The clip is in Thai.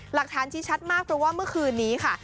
หลักฐานชี้ชัดมากเพราะว่าเมื่อคืนนี้ค่ะ